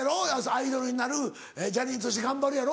アイドルになるジャニーズとして頑張るやろ？